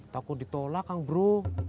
takut ditolak kang bro